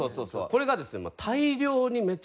これがですねえ！？